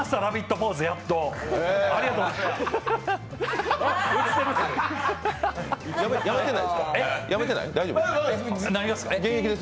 ポーズ、やっと、ありがとうございます。